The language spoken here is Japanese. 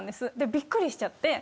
びっくりしちゃって。